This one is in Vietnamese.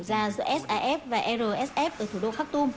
giữa saf và rsf ở thủ đô khak tum